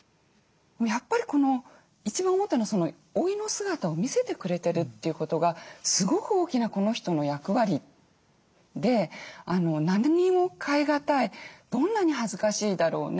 やっぱり一番思ったのは老いの姿を見せてくれてるということがすごく大きなこの人の役割で何にも代えがたいどんなに恥ずかしいだろうね